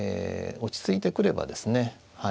落ち着いてくればですねはい。